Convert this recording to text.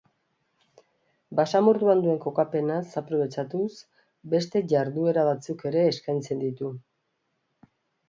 Basamortuan duen kokapenaz aprobetxatuz beste jarduera batzuk ere eskaintzen ditu.